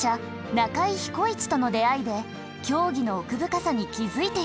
中居彦一との出会いで競技の奥深さに気付いていく。